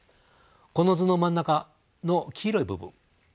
この図の真ん中の黄色い部分。